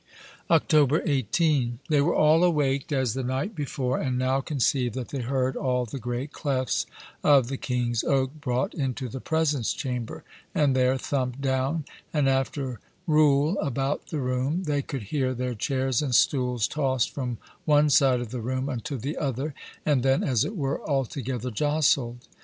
October 18. They were all awaked as the night before, and now conceived that they heard all the great clefts of the King's Oak brought into the presence chamber, and there thumpt down, and after roul about the room; they could hear their chairs and stools tost from one side of the room unto the other, and then (as it were) altogether josled.